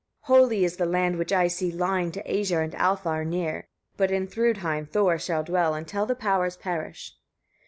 4. Holy is the land, which I see lying to Æsir and Alfar near; but in Thrûdheim Thor shall dwell until the powers perish.